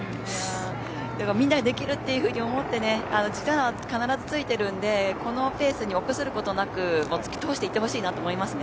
みんなでできると思って力、必ずついてるんでこのペースに臆することなく突き通していってほしいなと思いますね。